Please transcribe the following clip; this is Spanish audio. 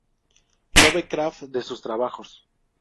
Lovecraft de sus trabajos.